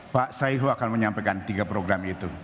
pak saihu akan menyampaikan tiga program itu